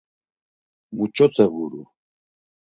Muç̌ote ğuru?